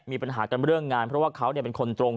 มีปัญหากันเรื่องงานเพราะว่าเขาเป็นคนตรง